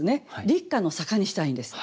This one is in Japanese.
「立夏の坂」にしたいんです。